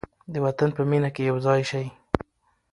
د وطن په مینه کې یو ځای شئ.